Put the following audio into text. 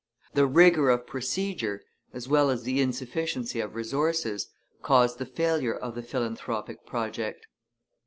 The rigor of procedure, as well as the insufficiency of resources, caused the failure of the philanthropic project.